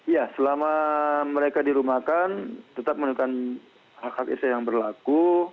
ya selama mereka dirumahkan tetap menekan hak hak islam yang berlaku